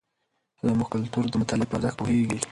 زموږ کلتور د مطالعې په ارزښت پوهیږي.